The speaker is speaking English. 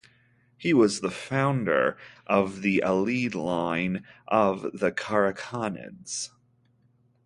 He was the founder of the Alid line of the Karakhanids.